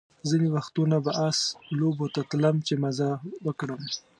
ځینې وختونه به آس لوبو ته تلم چې مزه وکړم.